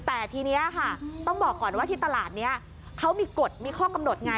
แต่ทีนี้ค่ะต้องบอกก่อนว่าที่ตลาดนี้เขามีกฎมีข้อกำหนดไง